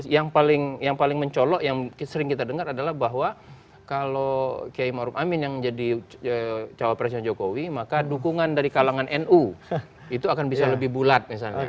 yang paling mencolok yang sering kita dengar adalah bahwa kalau kiai maruf amin yang jadi cawapresnya jokowi maka dukungan dari kalangan nu itu akan bisa lebih bulat misalnya